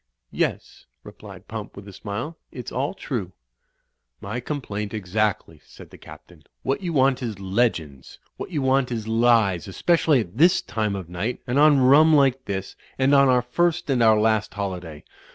"Yes," replied Pump with a smile, "it's all true." "My complaint, exactly," said the Captain. "What you want is legends. What you want is lies, especially at this time of night, and on rum like this, and on our first and our last holiday.